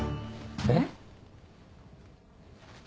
えっ？